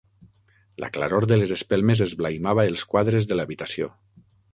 La claror de les espelmes esblaimava els quadres de l'habitació.